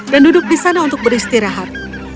dan duduk di sana untuk beristirahat